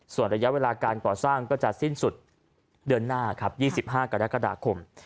ส่วนระยะเวลาการก่อสร้างก็จะสิ้นสุดเดือนหน้าครับ๒๕กรกฎาคม